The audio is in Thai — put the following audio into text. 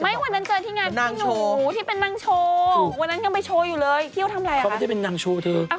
ในวันหนังนั้นเจอทิ้งงานพี่หนูที่เป็นนางโชว์